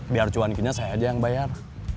biar cuanki nya saya aja yang bayar